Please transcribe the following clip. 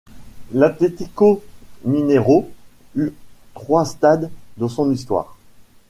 L'Atlético Mineiro eut trois stades dans son histoire.